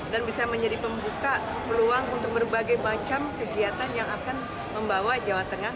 dan bisa menjadi pembuka peluang untuk berbagai macam kegiatan yang akan membawa jawa tengah